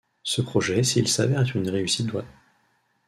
Ce projet s'il s'avère être une réussite doit '.